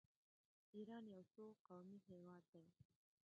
ایران یو څو قومي هیواد دی.